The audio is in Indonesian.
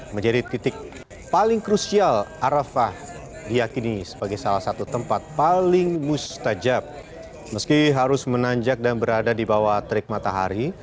meski harus menanjak dan berada di bawah terik matahari